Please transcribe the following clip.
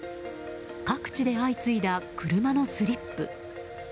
各地で相次いだ車のスリップ。